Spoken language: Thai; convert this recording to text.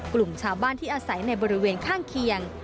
กลุ่มชาวบ้านที่อาศัยในบริเวณข้างเคียง